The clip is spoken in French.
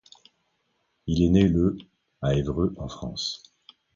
Il est né le à Évreux en France.